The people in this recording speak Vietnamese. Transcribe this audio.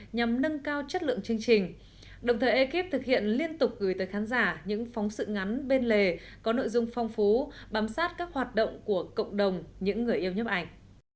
nhằm nâng cao chất lượng chương trình đồng thời ekip thực hiện liên tục gửi tới khán giả những phóng sự ngắn bên lề có nội dung phong phú bám sát các hoạt động của cộng đồng những người yêu nhấp ảnh